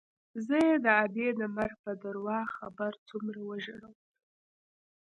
زه يې د ادې د مرګ په درواغ خبر څومره وژړولوم.